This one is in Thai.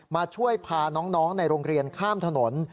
มาช่วยพาน้องในโรงเรียนข้ามถนน